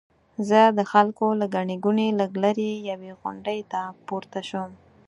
زه د خلکو له ګڼې ګوڼې لږ لرې یوې غونډۍ ته پورته شوم.